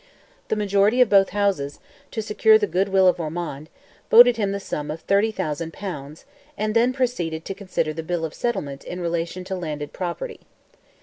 The majority of both Houses, to secure the good will of Ormond, voted him the sum of 30,000 pounds, and then proceeded to consider "the Bill of Settlement," in relation to landed property.